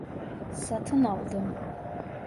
Satın aldım.